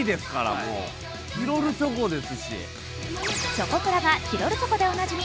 チョコプラがチロルチョコでおなじみ